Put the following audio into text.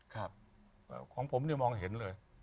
ครับของผมเนี่ยมองเห็นเลย